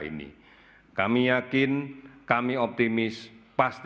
untuk selang cyanda saya menyumbang